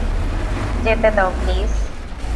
যেতে দাও প্লিজ।